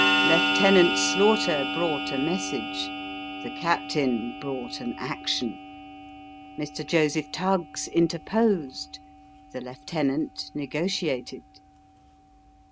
Lieutenant Slaughter brought a message the captain brought an action. Mr. Joseph Tuggs interposed the lieutenant negotiated.